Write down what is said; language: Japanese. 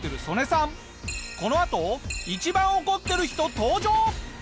このあと一番怒ってる人登場！